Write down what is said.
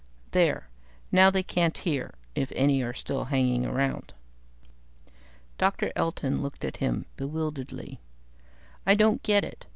"There; now they can't hear if any are still hanging around." Professor Elton looked at him bewilderedly. "I don't get it.